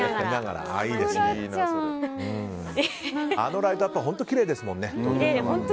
あのライトアップは本当にきれいですもんね。